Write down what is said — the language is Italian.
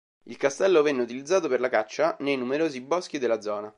Il castello venne utilizzato per la caccia nei numerosi boschi della zona.